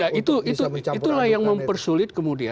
nah itu itulah yang mempersulit kemudian